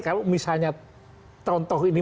kalau misalnya tonton ini